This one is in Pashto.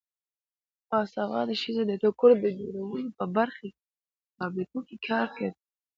باسواده ښځې د ټوکر جوړولو په فابریکو کې کار کوي.